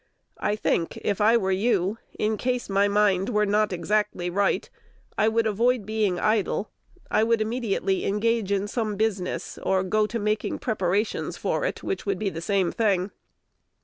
I think if I were you, in case my mind were not exactly right, I would avoid being idle. I would immediately engage in some business, or go to making preparations for it, which would be the same thing.